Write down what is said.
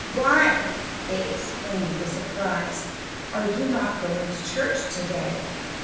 "Why!" they exclaimed with surprise, "are you not going to church to day?"